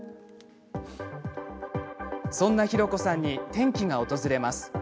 そんなひろこさんに転機が訪れます。